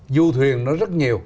du thuyền nó rất nhiều